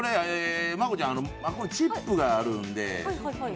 真子ちゃん、チップがあるんで。